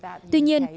ông lại nói rằng